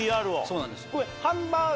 そうなんです。